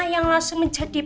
yang langsung menjadi